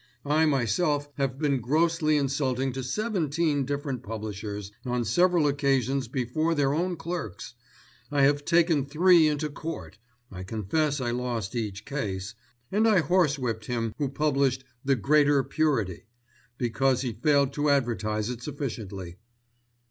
I myself have been grossly insulting to seventeen different publishers, on several occasions before their own clerks. I have taken three into Court—I confess I lost each case—and I horsewhipped him who published The Greater Purity because he failed to advertise it sufficiently."